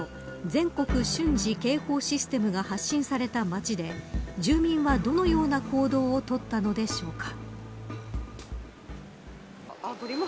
全国瞬時警報システムが発信された街で住民は、どのような行動をとったのでしょうか。